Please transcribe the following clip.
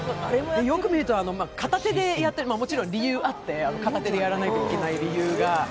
よく見ると片手でやってて、もちろん理由があって、片手でやらなければならない。